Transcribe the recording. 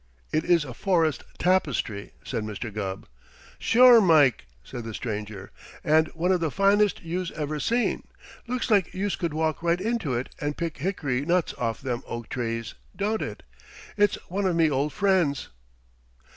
"It is a forest tapestry," said Mr. Gubb. "Sure, Mike!" said the stranger. "And one of the finest youse ever seen. Looks like youse could walk right into it and pick hickory nuts off them oak trees, don't it? It's one of me old friends."